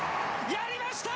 やりました。